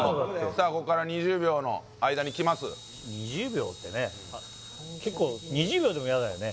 さあこっから２０秒の間にきます２０秒ってね結構２０秒でもヤダよね